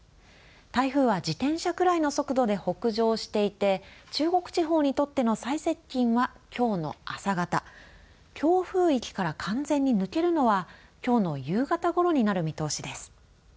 台風は自転車くらいの速度で北上していて中国地方にとっての最接近はきょうの朝方強風域から完全に抜けるのはきょうの夕方ごろになる見通しです。